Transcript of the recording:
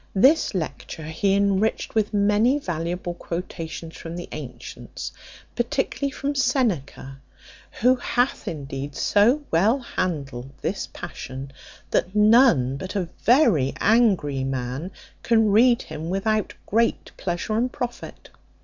This lecture he enriched with many valuable quotations from the antients, particularly from Seneca; who hath indeed so well handled this passion, that none but a very angry man can read him without great pleasure and profit.